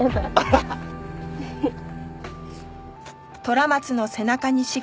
ハハハッ！